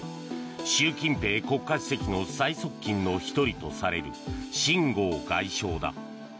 習近平国家主席の最側近の１人とされるシン・ゴウ外相だ。